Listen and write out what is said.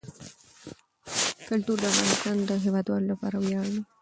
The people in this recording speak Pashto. کلتور د افغانستان د هیوادوالو لپاره ویاړ دی.